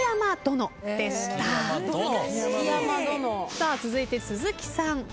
さあ続いて鈴木さん。